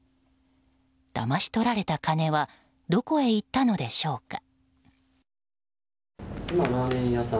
だまし取られた金はどこへ行ったのでしょうか。